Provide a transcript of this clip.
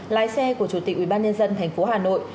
lái xe của chủ tịch ubnd tp hà nội